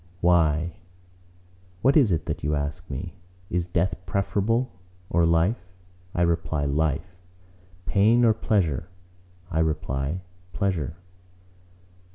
Why, what is it that you ask me? Is death preferable, or life? I reply, Life. Pain or pleasure? I reply, Pleasure."